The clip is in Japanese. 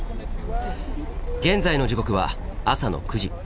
現在の時刻は朝の９時。